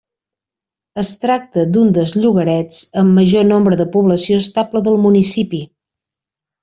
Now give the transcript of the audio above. Es tracta d'un dels llogarets amb major nombre de població estable del municipi.